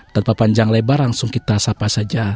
tanpa panjang lebar langsung kita sapa saja